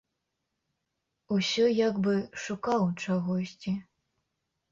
Усё як бы шукаў чагосьці.